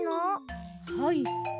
はい。